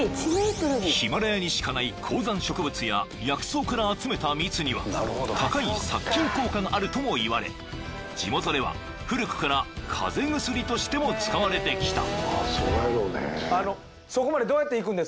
［ヒマラヤにしかない高山植物や薬草から集めた蜜には高い殺菌効果があるともいわれ地元では古くから風邪薬としても使われてきた］